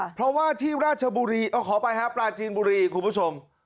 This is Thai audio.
เพราะว่าที่ราชบุรีขออภัยครับปลาจีนบุรีคุณผู้ชม